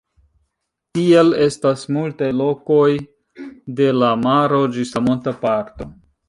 Tiel, estas multaj lokoj de la maro ĝis la monta parto.